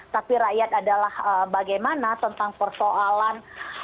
tapi rakyat adalah bagaimana tentang persoalan